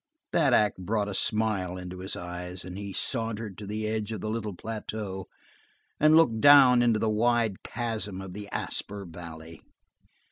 That act brought a smile into his eyes, and he sauntered to the edge of the little plateau and looked down into the wide chasm of the Asper Valley.